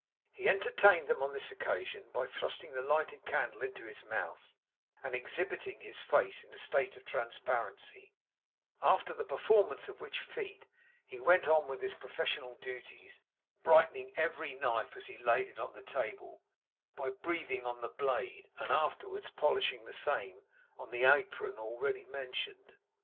He entertained them on this occasion by thrusting the lighted candle into his mouth, and exhibiting his face in a state of transparency; after the performance of which feat, he went on with his professional duties; brightening every knife as he laid it on the table, by breathing on the blade and afterwards polishing the same on the apron already mentioned.